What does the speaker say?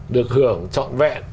được hưởng trọn vẹn